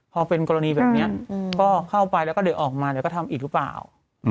พอเพิ่มกรณีแบบนี้ก็เข้าไปแล้วก็เดี๋ยวออกมาแล้วก็ทำอีกรูป่าว